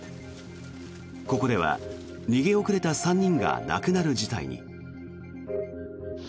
ここでは逃げ遅れた３人が亡くなる事態に。